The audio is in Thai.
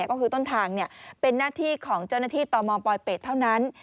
ก็คือต้นทางเป็นหน้าที่ของเจ้าหน้าที่ตมปลอยเป็ดเท่านั้น